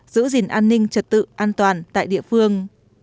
giữ gìn an ninh trật tự an toàn tại địa phương